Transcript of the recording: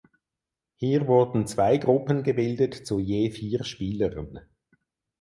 Hier wurden zwei Gruppen gebildet zu je vier Spielern.